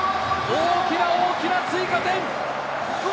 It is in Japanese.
大きな大きな追加点！